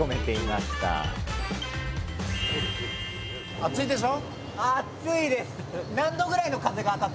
暑いでしょ？